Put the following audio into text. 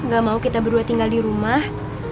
gak mau kita berdua tinggal di rumah